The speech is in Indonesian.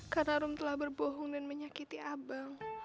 karena room telah berbohong dan menyakiti abang